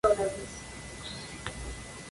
Las voces de las víctimas y de los verdugos".